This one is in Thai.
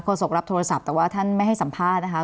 โศกรับโทรศัพท์แต่ว่าท่านไม่ให้สัมภาษณ์นะคะ